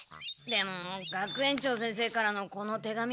でも学園長先生からのこの手紙。